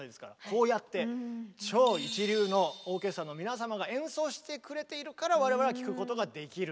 こうやって超一流のオーケストラの皆様が演奏してくれているから我々は聴くことができる。